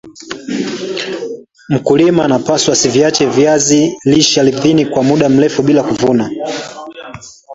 mkulima anaaswa asiviache viazi lishe ardhini kwa muda mrefu bila kuvunwa